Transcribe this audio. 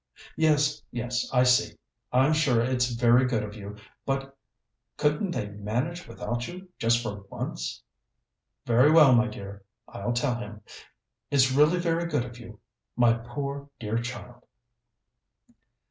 Yes, yes, I see. I'm sure it's very good of you, but couldn't they manage without you just for once?... Very well, my dear, I'll tell him.... It's really very good of you, my poor dear child...."